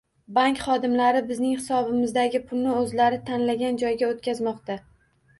Bank xodimlari bizning hisobimizdagi pulni o'zlari tanlagan joyga o'tkazmoqda